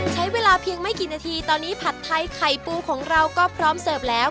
ใช้เวลาเพียงไม่กี่นาทีตอนนี้ผัดไทยไข่ปูของเราก็พร้อมเสิร์ฟแล้ว